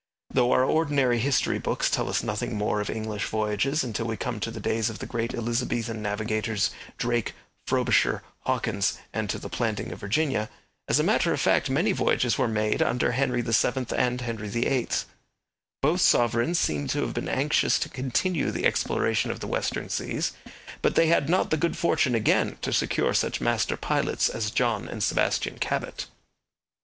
Though our ordinary history books tell us nothing more of English voyages until we come to the days of the great Elizabethan navigators, Drake, Frobisher, Hawkins, and to the planting of Virginia, as a matter of fact many voyages were made under Henry VII and Henry VIII. Both sovereigns seem to have been anxious to continue the exploration of the western seas, but they had not the good fortune again to secure such master pilots as John and Sebastian Cabot.